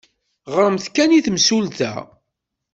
Ɣremt kan i temsulta.